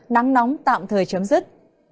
nắng nóng tạm thời chấm dứt